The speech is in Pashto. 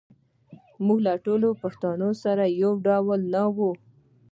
موږ ټول پښتانه یو ډول نه یوو.